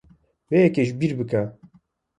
Vê yekê ji bîr bike.